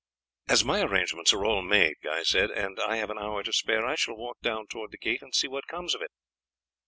"As my arrangements are all made," Guy said, "and I have an hour to spare, I shall walk down towards the gate and see what comes of it."